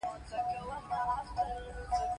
دا ډول لويه کارنامه خو يو حيوان کولی شي.